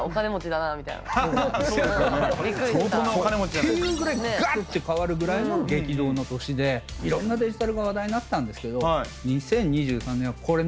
っていうぐらいガッて変わるぐらいの激動の年でいろんなデジタルが話題になったんですけどもっと来る？